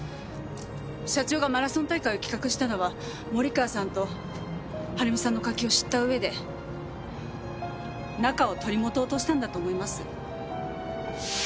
社長がマラソン大会を企画したのは森川さんと晴美さんの関係を知った上で仲を取り持とうとしたんだと思います。